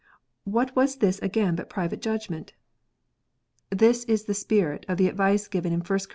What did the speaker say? What was this again but private judgment ? This is the spirit of the advice given in 1 Cor.